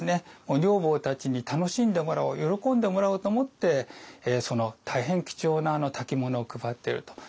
女房たちに楽しんでもらおう喜んでもらおうと思ってその大変貴重な薫物を配っていると。